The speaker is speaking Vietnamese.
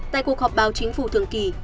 tại cuộc họp báo chính phủ thường kỳ